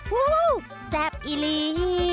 ฮู้แซ่บอีลี